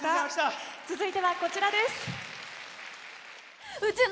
続いてはこちらです。